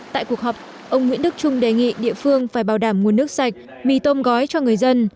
tại cuộc họp ông nguyễn đức trung đề nghị địa phương phải bảo đảm nguồn nước sạch mì tôm gói cho người dân